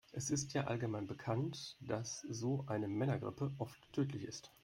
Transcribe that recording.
Es ist ja allgemein bekannt, dass so eine Männergrippe oft tödlich ist.